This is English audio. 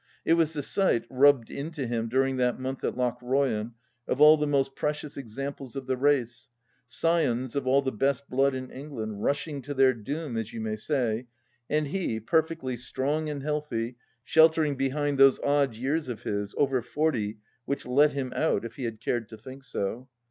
It was the sight, rubbed into him during that month at Lochroyan, of all the most precious examples of the race — scions of all the best blood in England — rushing to their doom, as you may say, and he, perfectly strong and healthy, sheltering behind those odd years of his, over forty, which " let him out," if he had cared to think so.